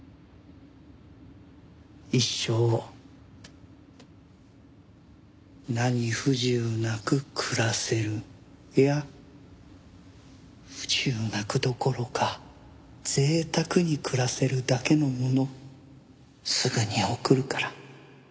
一生何不自由なく暮らせるいや不自由なくどころか贅沢に暮らせるだけのものをすぐに送るから。